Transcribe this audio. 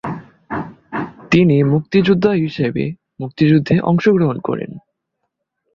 তিনি মুক্তিযোদ্ধা হিসেবে মুক্তিযুদ্ধে অংশগ্রহণ করেন।